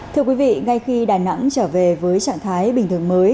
thưa quý vị ngay khi đà nẵng trở về với trạng thái bình thường mới